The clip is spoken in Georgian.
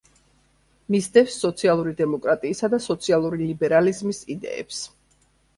მისდევს სოციალური დემოკრატიისა და სოციალური ლიბერალიზმის იდეებს.